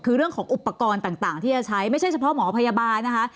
คือเรื่องของอุปกรณ์ต่างที่จะใช้ไม่ใช่เฉพาะหมอพยาบาลนะคะ